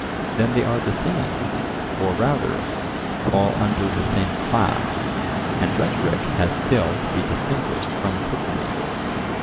Then they are the same, or rather fall under the same class, and rhetoric has still to be distinguished from cookery.